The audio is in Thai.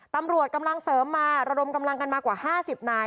ตำรวจกำลังเสริมมาระดมกำลังกันมากว่า๕๐นาย